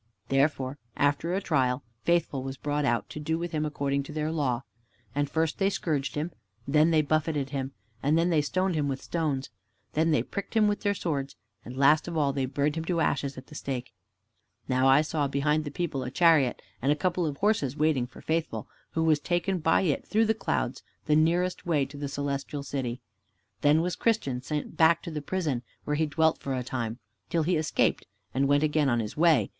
Therefore, after a trial, Faithful was brought out, to do with him according to their law. And first they scourged him, then they buffeted him, then they stoned him with stones, then they pricked him with their swords, and last of all they burned him to ashes at the stake. Now I saw behind the people a chariot and a couple of horses waiting for Faithful, who was taken by it through the clouds, the nearest way to the Celestial City. Then was Christian sent back to the prison, where he dwelt for a time, till he escaped and went again on his way.